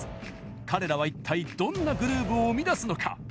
彼らは一体どんなグルーヴを生み出すのか。